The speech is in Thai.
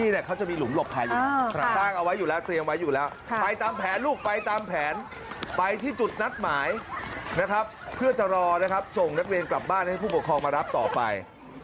นะครับเพื่อจะรอนะครับส่งนักเรียนกลับบ้านให้ผู้ปกครองมารับต่อไป